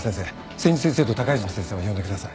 千住先生と高泉先生を呼んでください。